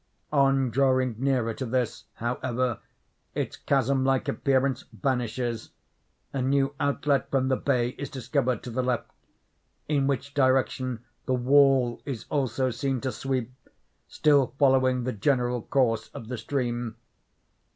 On drawing nearer to this, however, its chasm like appearance vanishes; a new outlet from the bay is discovered to the left—in which direction the wall is also seen to sweep, still following the general course of the stream.